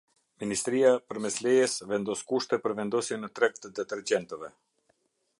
Ministria përmes Lejes vendos kushte për vendosjen në treg të detergjentëve.